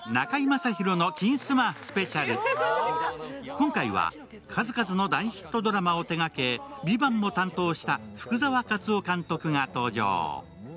今回は、数々の大ヒットドラマを手がけ、「ＶＩＶＡＮＴ」も担当した福澤克雄監督が登場。